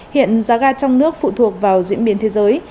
hiện giá ga trong nước phụ thuộc vào diễn biến thế giới